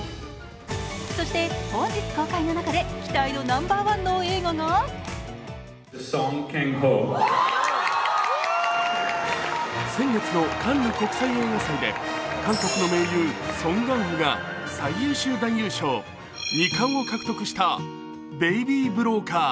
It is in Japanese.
そして、本日公開の中で期待度ナンバーワンの映画が先月のカンヌ国際映画祭で韓国の名優・ソン・ガンホが最優秀男優賞２冠を獲得した「ベイビー・ブローカー」。